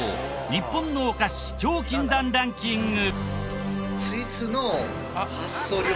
日本のお菓子超禁断ランキング。